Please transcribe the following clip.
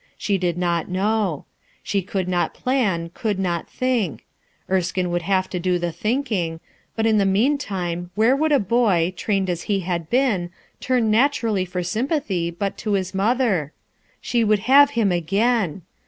She did not know. She could not plan, could not think Erskine would have to do the thinking; but in the meantime, where would a boy, trained as he had been, turn naturally for sympathy but to his mother? She would have him again!